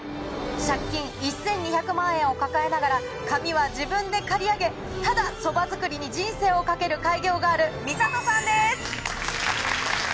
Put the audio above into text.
借金１２００万円を抱えながら髪は自分で刈り上げただ蕎麦作りに人生を懸ける開業ガールみさとさんです。